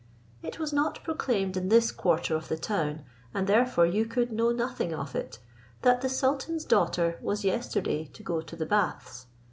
"It was not proclaimed in this quarter of the town, and therefore you could know nothing of it, that the sultan's daughter was yesterday to go to the baths.